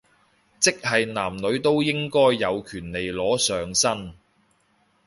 即係男女都應該有權利裸上身